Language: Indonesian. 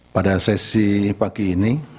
pada sesi pagi ini